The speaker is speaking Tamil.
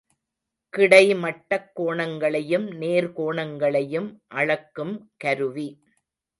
கிடைமட்டக் கோணங்களையும் நேர் கோணங்களையும் அளக்கும் கருவி.